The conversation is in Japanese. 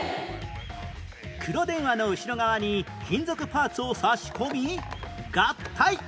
黒電話の後ろ側に金属パーツを差し込み合体！